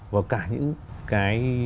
vào cả những cái